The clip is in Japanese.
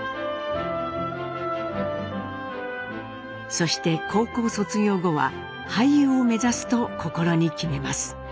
そして高校卒業後は俳優を目指すと心に決めます。